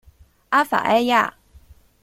阿法埃娅。